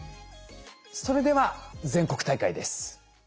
それでは全国大会です。